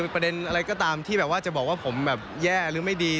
ประเด็นอะไรก็ตามที่จะบอกว่าผมแย่หรือไม่ดี